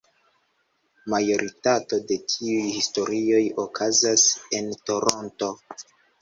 Majoritato de tiuj historioj okazas en Toronto.